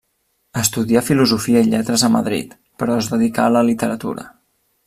Estudià filosofia i lletres a Madrid, però es dedicà a la literatura.